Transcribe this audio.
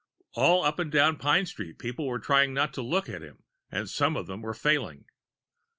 All up and down Pine Street, people were trying not to look at him and some of them were failing.